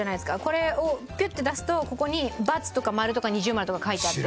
これをピュって出すとここに「×」とか「○」とか「◎」とか書いてあって。